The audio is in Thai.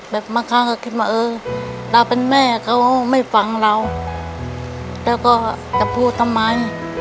แบบมะคานก็คิดว่าถ้าเป็นแม่เขาไม่ฟังเราก็จะพูดทำไม